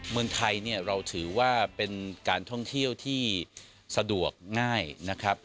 เมืองไทยเนี่ยเราถือว่าเป็นการท่องเที่ยวที่สะดวกง่ายนะครับ